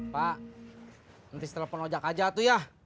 pak nanti setelah penojak aja tuh ya